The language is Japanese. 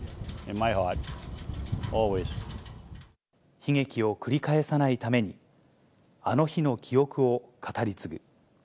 悲劇を繰り返さないために、あの日の記憶を語り継ぐ。